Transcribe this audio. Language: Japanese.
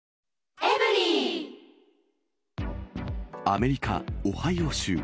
アメリカ・オハイオ州。